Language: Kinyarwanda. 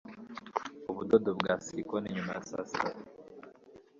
ubudodo bwa silikoni nyuma ya saa sita